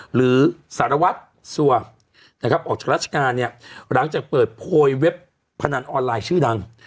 หรือสารวัตรสั่วออกจากรัชการหลังจากเปิดโพยเว็บพนันออนไลน์ชื่อดัง